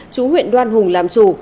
chú huyện đoan hùng làm chủ